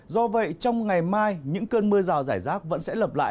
do vậy trong ngày mai những cơn mưa rào giải rác vẫn sẽ lập lại